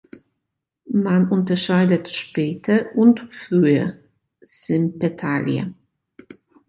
Man unterscheidet späte und frühe Sympetalie.